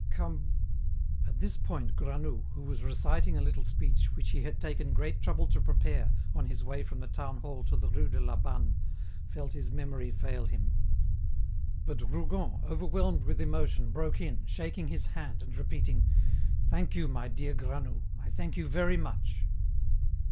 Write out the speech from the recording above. Come—" At this point Granoux, who was reciting a little speech which he had taken great trouble to prepare on his way from the Town Hall to the Rue de la Banne felt his memory fail him. But Rougon, overwhelmed with emotion, broke in, shaking his hand and repeating: "Thank you, my dear Granoux; I thank you very much."